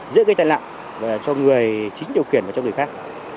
dễ gây tàn lặng cho người chính điều kiện và cho người khác